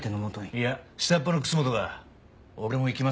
いや下っ端の楠本が「俺も行きます」ってよ。